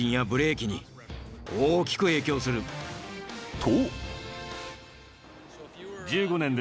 ［と］